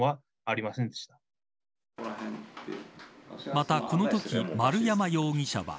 また、このとき丸山容疑者は。